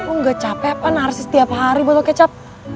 lo gak capek apa narsis tiap hari botol kecap